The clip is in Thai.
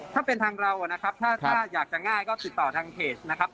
ถ้าเป็นทางเรานะครับถ้าอยากจะง่ายก็ติดต่อทางเพจนะครับ